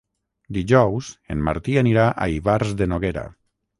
Dijous en Martí anirà a Ivars de Noguera.